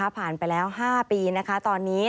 ผ่านไปแล้ว๕ปีตอนนี้